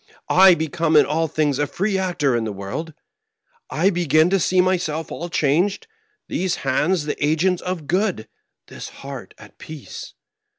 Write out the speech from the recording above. I become in all things a free actor in the world ; I begin to see myself all changed, these hands the agents of good, this heart at peace.